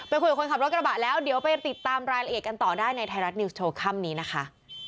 คุยกับคนขับรถกระบะแล้วเดี๋ยวไปติดตามรายละเอียดกันต่อได้ในไทยรัฐนิวส์โชว์ค่ำนี้นะคะ